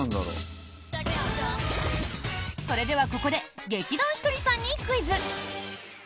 それではここで劇団ひとりさんにクイズ！